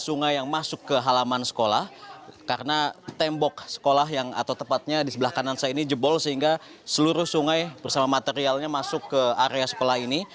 sungai yang masuk ke halaman sekolah karena tembok sekolah yang atau tepatnya di sebelah kanan saya ini jebol sehingga seluruh sungai bersama materialnya masuk ke area sekolah ini